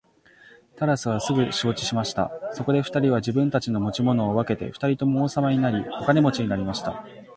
タラスはすぐ承知しました。そこで二人は自分たちの持ち物を分けて二人とも王様になり、お金持になりました。